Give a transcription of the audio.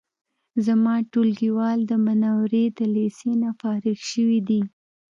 زما ټولګیوال د منورې د لیسې نه فارغ شوی دی